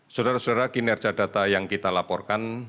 saudara saudara kinerja data yang kita laporkan